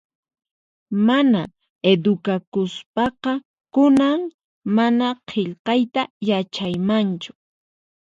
Mana edukakuspaqa kunan mana qillqayta yachaymanchu